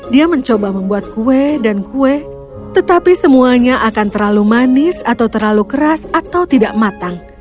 dia mencoba membuat kue dan kue tetapi semuanya akan terlalu manis atau terlalu keras atau tidak matang